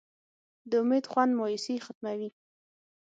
د امید خوند مایوسي ختموي.